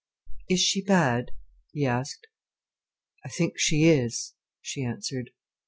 "Is she bad?" he asked. "I think she is," she answered.